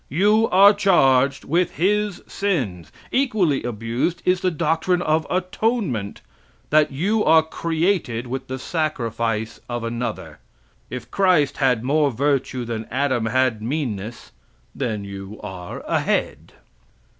You are charged with his sins. Equally abused is the doctrine of atonement, that you are created with the sacrifice of another. If Christ had more virtue than Adam had meanness, then you are ahead.